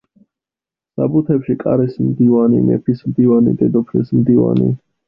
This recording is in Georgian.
საბუთებში „კარის მდივანი“, „მეფის მდივანი“, „დედოფლის მდივანი“.